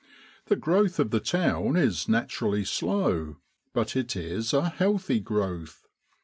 The growth of the town is naturally slow, but it is a healthy growth.